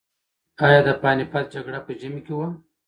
ایا د پاني پت جګړه په ژمي کې وه؟